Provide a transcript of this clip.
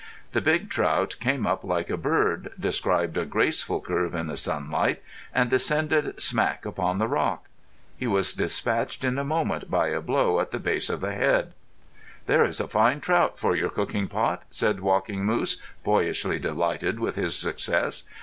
The big trout came up like a bird, described a graceful curve in the sunlight, and descended smack upon the rock. He was dispatched in a moment by a blow at the base of the head. "There is a fine trout for your cooking pot," said Walking Moose, boyishly delighted with his success.